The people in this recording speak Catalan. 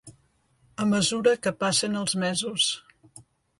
A mesura que passen els mesos